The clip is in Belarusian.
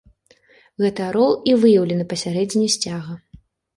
Гэты арол і выяўлены пасярэдзіне сцяга.